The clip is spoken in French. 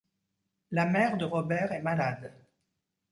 La mère de Robert est malade.